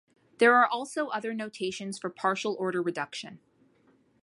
There are also other notations for partial order reduction.